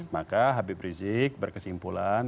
maka habib rizik berkesimpulan